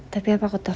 tapi apa aku tahu